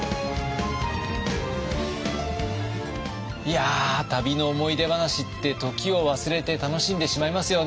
いや旅の思い出話って時を忘れて楽しんでしまいますよね。